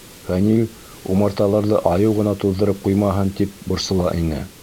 — Фәнил умарталарҙы айыу ғына туҙҙырып ҡуймаһын, тип борсола ине.